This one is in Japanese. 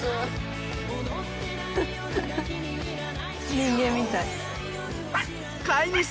人間みたい。